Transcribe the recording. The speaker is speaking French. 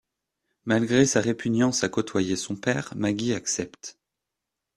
Malgré sa répugnance à côtoyer son père, Maggie accepte.